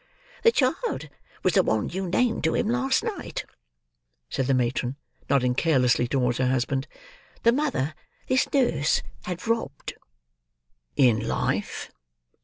"The child was the one you named to him last night," said the matron, nodding carelessly towards her husband; "the mother this nurse had robbed." "In life?"